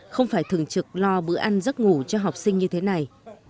không phải thường trực lo bữa ăn giấc ngủ cho học sinh như thế này